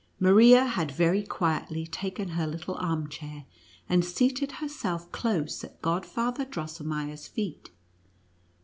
Maria had very quietly taken her little arm chair, and seated herself close at Godfather Drosselmeier's feet.